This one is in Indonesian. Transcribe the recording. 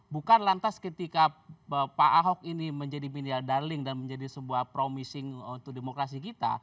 bukan lantas ketika pak ahok ini menjadi mineral darling dan menjadi sebuah promising untuk demokrasi kita